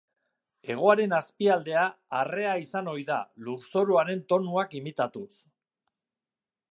Hegoaren azpialdea arrea izan ohi da, lurzoruaren tonuak imitatuz.